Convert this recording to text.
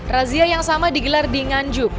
razia yang sama digelar di nganjuk